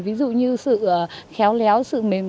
ví dụ như sự khéo léo sự mềm